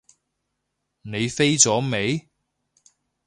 你飛咗未？